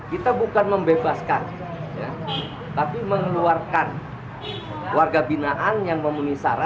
kita bukan membebaskan tapi mengeluarkan warga binaan yang memenuhi syarat